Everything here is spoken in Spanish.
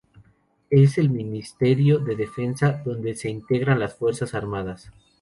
Es el Ministerio de Defensa donde se integran las Fuerzas Armadas.